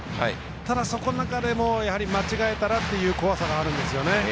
ただその中でも間違えたらという怖さがあるんですよね。